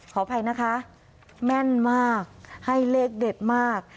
ขออภัยนะคะแม่นมากให้เลขเด็ดมาก